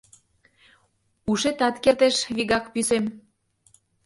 Ушетат кертеш вигак пӱсем.